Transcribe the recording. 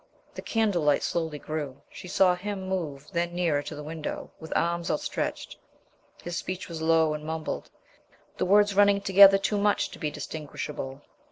The candle light slowly grew. She saw him move then nearer to the window, with arms outstretched. His speech was low and mumbled, the words running together too much to be distinguishable.